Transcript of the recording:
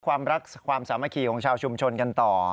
ความรักความสามัคคีของชาวชุมชนกันต่อ